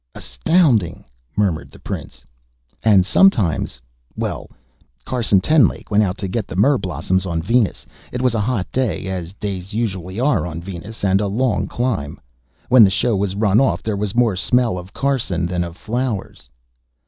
"Astounding!" murmured the prince. "And sometimes ... Well, Carson Tenlake went out to get the myrrh blossoms on Venus. It was a hot day as days usually are on Venus and a long climb. When the show was run off, there was more smell of Carson than of flowers."